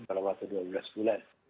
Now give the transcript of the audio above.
dalam waktu dua belas bulan